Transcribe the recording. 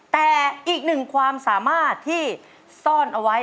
แต่อีกหนึ่งความสามารถที่ซ่อนเอาไว้